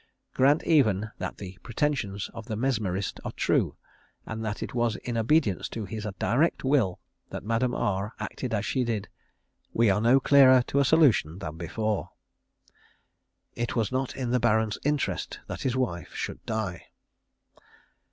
Grant even that the pretensions of the mesmerist are true, and that it was in obedience to his direct will that Madame R acted as she did, we are no nearer a solution than before. _It was not the Baron's interest that his wife should die.